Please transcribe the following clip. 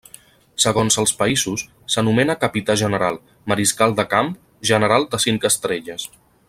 Segons els països s'anomena capità general, mariscal de camp, general de cinc estrelles.